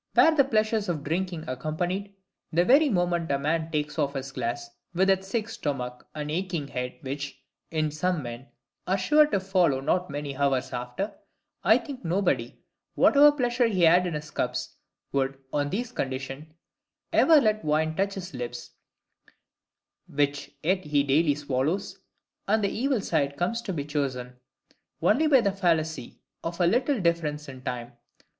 Were the pleasure of drinking accompanied, the very moment a man takes off his glass, with that sick stomach and aching head which, in some men, are sure to follow not many hours after, I think nobody, whatever pleasure he had in his cups, would, on these conditions, ever let wine touch his lips; which yet he daily swallows, and the evil side comes to be chosen only by the fallacy of a little difference in time.